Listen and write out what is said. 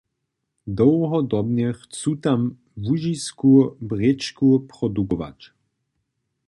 Dołhodobnje chcu tam Łužisku brěčku produkować.